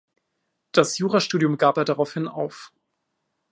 Das Jura-Studium gab er daraufhin auf.